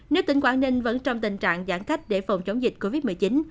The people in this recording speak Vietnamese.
nếu tỉnh quảng ninh vẫn trong tình trạng giãn cách để phòng chống dịch covid một mươi chín